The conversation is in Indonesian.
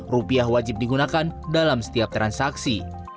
rupiah wajib digunakan dalam setiap transaksi